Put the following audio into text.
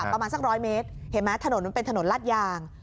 ประมาณสัก๑๐๐เมตรเห็นไหมถนนมันเป็นถนนลาดยาง